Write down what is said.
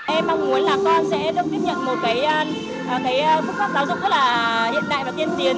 em mong muốn là con sẽ được tiếp nhận một cái phương pháp giáo dục rất là hiện đại và tiên tiến